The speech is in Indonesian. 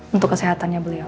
untuk kesehatannya beliau